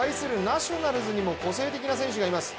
ナショナルズにも個性的な選手がいます。